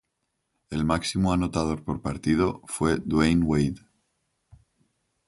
El máximo anotador por partido fue Dwayne Wade.